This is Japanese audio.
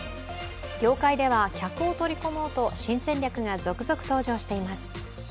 業界では客を取り込もうと新戦力が続々と登場しています。